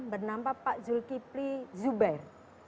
bernama pak julkipli zuber